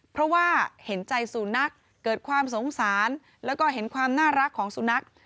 เพราะว่าเห็นใจสูนักเกิดความสงสารแล้วก็เห็นความน่ารักของสุนัข